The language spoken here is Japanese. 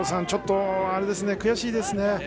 ちょっと悔しいですね。